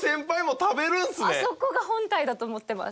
あそこが本体だと思ってます